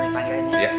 kalau di panggilin ya